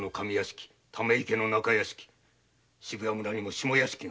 渋谷村には下屋敷。